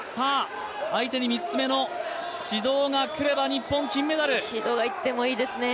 相手に３つ目の指導がくれば、指導がいってもいいです。